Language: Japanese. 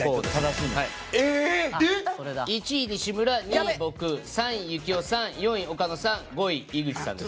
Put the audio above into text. １位、西村、２位、僕３位、行雄さん４位、岡野さん５位、井口さんです。